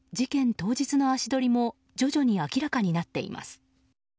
当日の足取りも徐々に明らかになっています。